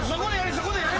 そこでやれ。